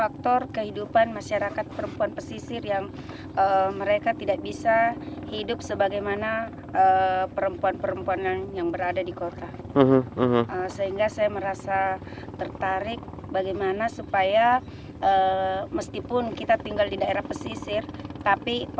kalau pitu sungguh ini termasuk penghasil